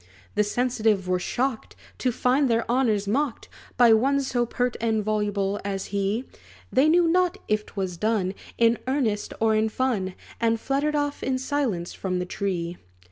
The sensitive were shocked, To find their honors mocked By one so pert and voluble as he; They knew not if 't was done In earnest or in fun; And fluttered off in silence from the tree.